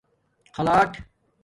خلاٹ